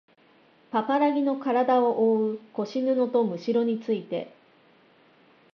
パパラギのからだをおおう腰布とむしろについて